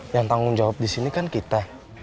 yang tanggung jawab di sini kan kita